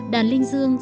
đàn linh dương